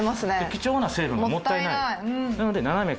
貴重な成分がもったいない。